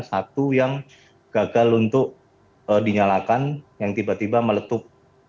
satu yang gagal untuk dinyalakan yang tiba tiba meletup